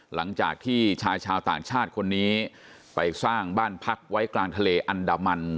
หลังจากที่ชายชาวต่างชาติคนนี้ไปสร้างบ้านพักไว้กลางทะเลอันดามัน